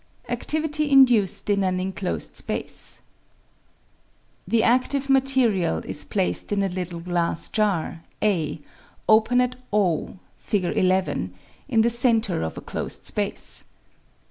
Activity induced in an Enclosed Space. The adive material is placed in a little glass jar, a, open at o (Fig. 11), in the centre of a closed space.